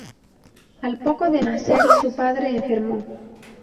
Al poco de nacer, su padre enfermó.